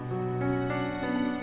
makasih nanti lanjutkan